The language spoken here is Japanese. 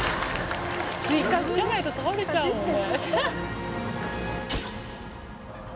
じゃないと倒れちゃうもんね。